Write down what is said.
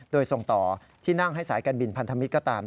โดยส่งต่อที่นั่งให้สายการบินพันธมิตรก็ตาม